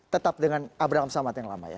tetap dengan abraham samad yang lama ya